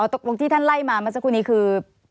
ตกลงที่ท่านไล่มาเมื่อสักครู่นี้คือ